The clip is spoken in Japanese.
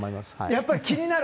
やっぱり気になる